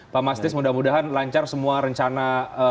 pak mastis mudah mudahan lancar semua rencana